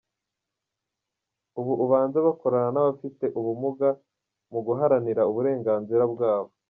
Ubu bazajya bakorana n’abafite ubumuga mu guharanira uburenganzira bwabo.